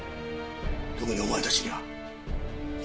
特にお前たちには。